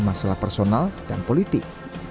masalah personal dan politik